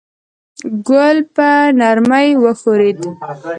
ګل په نرمۍ وښورېد.